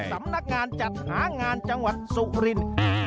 สำนักงานจัดหางานจังหวัดสุรินทร์